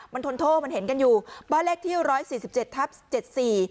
มันทนโทษมันเห็นกันอยู่บ้านเลขที่ร้อยสี่สิบเจ็ดทับเจ็ดสี่